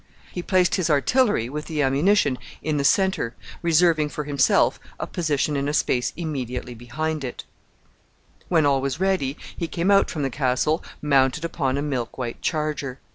He placed his artillery, with the ammunition, in the centre, reserving for himself a position in a space immediately behind it. [Illustration: THE CASTLE AT TAMWORTH.] When all was ready, he came out from the castle mounted upon a milk white charger.